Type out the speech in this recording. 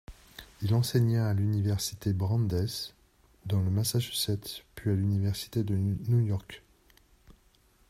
Il enseigna à l'université Brandeis dans le Massachusetts puis à l'université de New York.